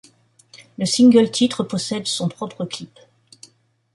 Le single-titre possède son propre clip.